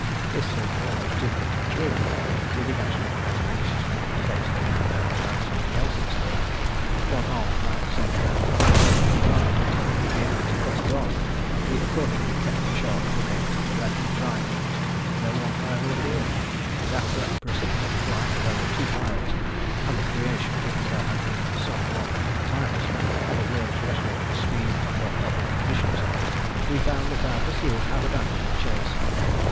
This seemed almost too good to be true. We began to look round anxiously in case they might perhaps have something else in store. One armed man sent round on a pony or donkey would be enough to cut us off; we accordingly kept a sharp look out to right and left. No one, however, appeared, and after a precipitate flight of over two miles, and the creation, if there had been some one to time us, of a world's record for speed under novel conditions, we found that our pursuers had abandoned the chase.